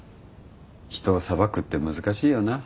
人を裁くって難しいよな。